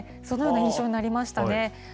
そのような印象になりましたね。